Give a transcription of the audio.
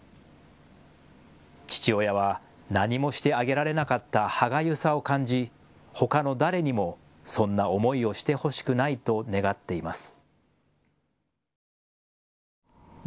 父親は何もしてあげられなかった歯がゆさを感じ、ほかの誰にもそんな思いをしてほしくないと願っています。